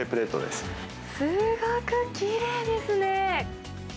すごくきれいですね。